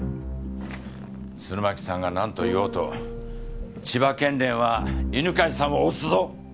鶴巻さんが何と言おうと千葉県連は犬飼さんを推すぞ！